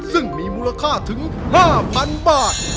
ซึ่งมีมูลค่าถึง๕๐๐๐บาท